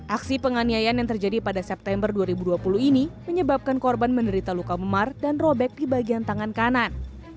aksi penganiayaan yang terjadi pada september dua ribu dua puluh ini menyebabkan korban menderita luka memar dan robek di bagian tangan kanan